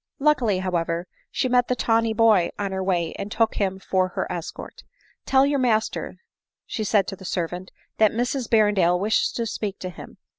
Luckily, however, she met the tawny boy on her way, and took him for her escort. " Tell your master, said she to the servant, " that Mrs Berrendale wishes to speak to him